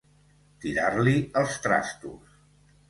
Tirar-li els trastos.